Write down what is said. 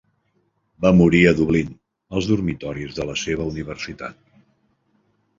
Va morir a Dublín, als dormitoris de la seva universitat.